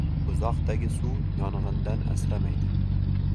• Uzoqdagi suv yong‘indan asramaydi.